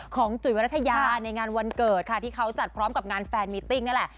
จุ๋ยวรัฐยาในงานวันเกิดค่ะที่เขาจัดพร้อมกับงานแฟนมิติ้งนี่แหละ